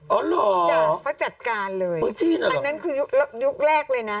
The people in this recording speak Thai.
อ๋อเหรอภาคจีนหรอภาคนั้นคือยุคแรกเลยนะ